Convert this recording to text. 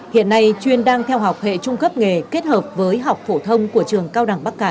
hiện nay chuyên đang theo học hệ trung cấp nghề kết hợp với học phổ thông của trường cao đẳng bắc cá